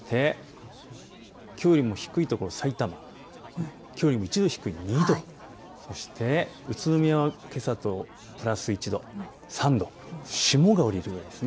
きょうよりも低いところさいたま、きょうよりも１度低い２度、宇都宮はけさよりプラス１．３度霜が降りるくらいです。